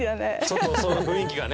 徳永：雰囲気がね。